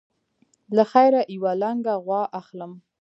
له خیره یوه لنګه غوا اخلم.